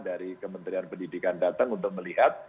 dari kementerian pendidikan datang untuk melihat